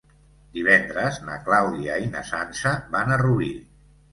Divendres na Clàudia i na Sança van a Rubí.